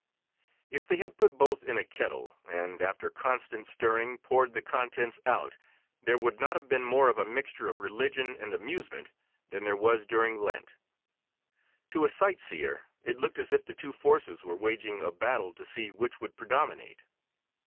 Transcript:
If they had put both in a kettle and, after constant stirring, poured the contents out, there would not have been more of a mixture of religion and amusement than there was during Lent; to a sight seer it looked as if the two forces were waging a battle to see which would predominate.